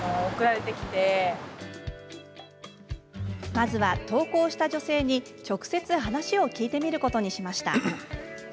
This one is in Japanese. まずは、投稿した女性に直接話を聞いてみることにしました。